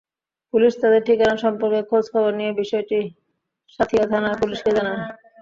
Police তাঁদের ঠিকানা সম্পর্কে খোঁজখবর নিয়ে বিষয়টি সাঁথিয়া থানার পুলিশকে জানায়।